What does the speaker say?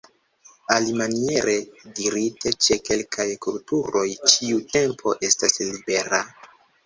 Alimaniere dirite ĉe kelkaj kulturoj ĉiu tempo estas libera.